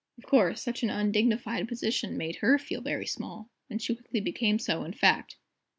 Of course, such an undignified position made her feel very "small," and she quickly became so in fact.